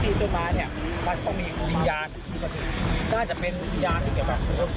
ต้นไม้เนี่ยมันต้องมีวิญญาณน่าจะเป็นวิญญาณที่เกี่ยวกับ